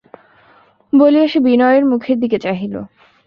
বলিয়া সে বিনয়ের মুখের দিকে চাহিল।